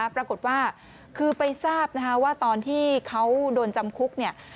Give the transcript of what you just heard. ปรากฏว่าคือไปทราบนะคะว่าตอนที่เขาโดนจำคุกเนี่ย